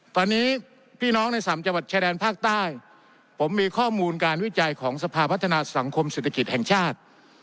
ตอนนี้พี่น้องในสามจังหวัดชายแดนภาคใต้ผมมีข้อมูลการวิจัยของสภาพัฒนาสังคมเศรษฐกิจแห่งชาติ